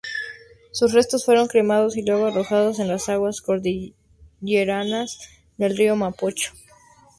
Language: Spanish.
Sus restos fueron cremados y luego arrojados en las aguas cordilleranas del río Mapocho.